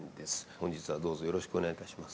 本日はどうぞよろしくお願いいたします。